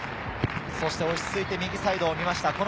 落ち着いて右サイドを見ました。